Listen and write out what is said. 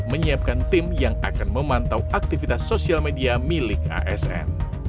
menyiapkan tim yang akan memantau aktivitas sosial media milik asn